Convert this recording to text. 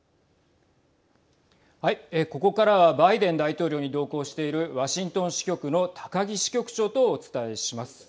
ここからはバイデン大統領に同行しているワシントン支局の高木支局長とお伝えします。